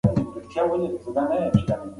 ټولنیز بدلونونه څه ګټه لري؟